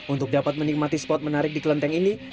untuk dapat menikmati spot menarik di kelenteng ini